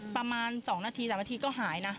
ประมาณ๒นาที๓นาทีก็หายนะ